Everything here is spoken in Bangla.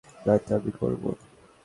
নয়তো আমি করব।